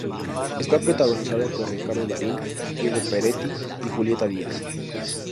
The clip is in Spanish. Está protagonizada por Ricardo Darín, Diego Peretti y Julieta Díaz.